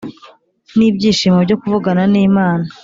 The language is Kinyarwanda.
n’ibyishimo byo kuvugana n’Imana